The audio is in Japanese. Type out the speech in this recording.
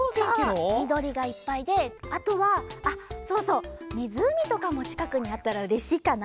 そうみどりがいっぱいであとはあっそうそうみずうみとかもちかくにあったらうれしいかな。